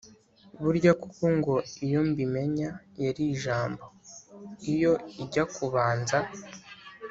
burya koko ngo iyo mbimenya yari ijambo iyo ijya kubanza